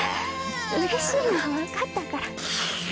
うれしいのはわかったから。